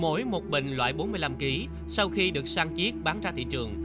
mỗi một bình loại bốn mươi năm kg sau khi được sang chiếc bán ra thị trường